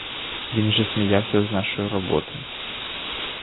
Він же сміявся з нашої роботи.